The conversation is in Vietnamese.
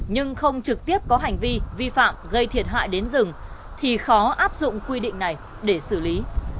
nhưng không trực tiếp có hành vi vi phạm gây thiệt hại đến rừng thì khó áp dụng quy định này để xử lý